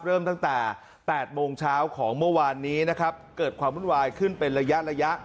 เริ่มตั้งแต่๘โมงเช้าของเมื่อวานนี้นะครับเกิดความวุ่นวายขึ้นเป็นระยะระยะ